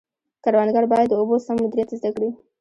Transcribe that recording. کروندګر باید د اوبو سم مدیریت زده کړي.